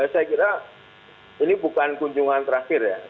saya kira ini bukan kunjungan terakhir ya